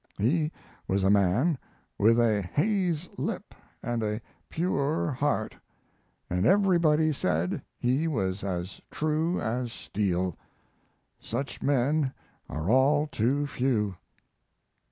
He was a man with a haze lip and a pure heart, and everybody said he was as true as steel. Such men are all too few.